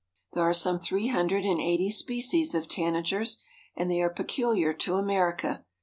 There are some three hundred and eighty species of tanagers, and they are peculiar to America.